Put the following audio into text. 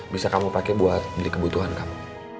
bisa kamu pakai buat beli kebutuhan kamu